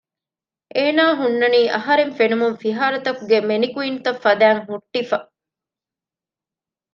އޭނަ ހުންނަނީ އަހަރެން ފެނުމުން ފިހާރަތަކުގެ މެނިކުއިންތައް ފަދައިން ހުއްޓިފަ